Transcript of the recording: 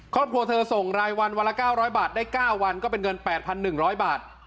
ครอบครัวเธอส่งรายวันวันละ๙๐๐บาทได้๙วันก็เป็นเงิน๘๑๐๐บาท